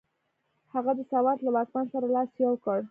هغه د سوات له واکمن سره لاس یو کړ.